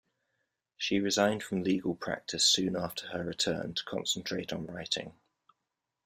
She resigned from legal practice soon after her return, to concentrate on writing.